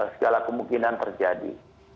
segala kemungkinan terjadi